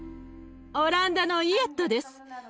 オランダのイェットです。